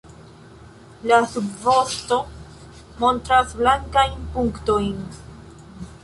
La subvosto montras blankajn punktojn.